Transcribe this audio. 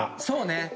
そうね。